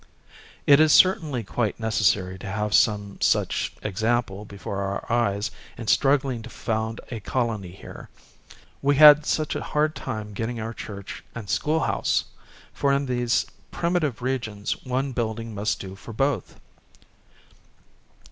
It is certainly quite necessary to have some such example before our eyes in struggling to Hosted by Google 20 PALMETTO LEA VES. found a colony here. We liad such a hard time getting our church and schoolhouse !— for in these primitive regions one building must do for both.